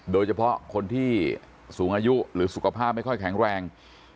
โดยเฉพาะคนที่สูงอายุหรือสุขภาพไม่ค่อยแข็งแรง